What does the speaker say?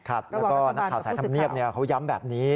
แล้วก็นักข่าวสายธรรมเนียบเขาย้ำแบบนี้